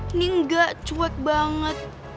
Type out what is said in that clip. ini enggak cuek banget